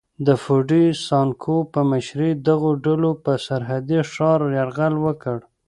د فوډي سانکو په مشرۍ دغو ډلو پر سرحدي ښار یرغل وکړ.